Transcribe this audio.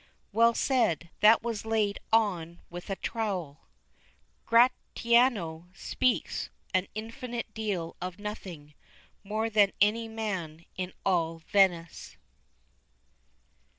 "Well said; that was laid on with a trowel." "Gratiano speaks an infinite deal of nothing, more than any man in all Venice."